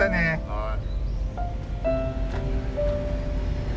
はい。